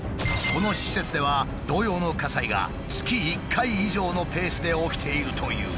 この施設では同様の火災が月１回以上のペースで起きているという。